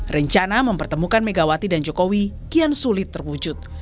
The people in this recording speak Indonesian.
rencana mempertemukan megawati dan jokowi kian sulit terwujud